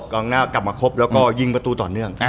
กองหน้ากลับมาครบแล้วก็ยิงประตูต่อเนื่อง